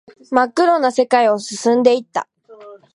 真っ暗な世界を進んでいった